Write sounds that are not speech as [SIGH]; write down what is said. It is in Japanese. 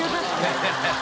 ハハハ [LAUGHS]